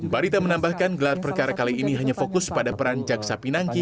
barita menambahkan gelar perkara kali ini hanya fokus pada peran jaksa pinangki